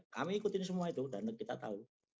kami ikutin semua itu dan kita tahu